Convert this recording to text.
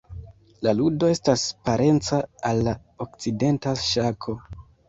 La ludo estas parenca al la okcidenta ŝako.